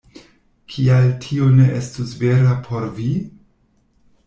Kial tio ne estus vera por vi?